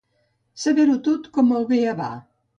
Saber-ho tot com el beabà